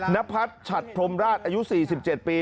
นัพพัทฉัดพรมราชอายุ๔๗ปี